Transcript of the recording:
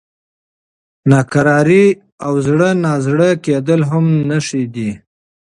ناکراري او زړه نازړه کېدل هم نښې دي.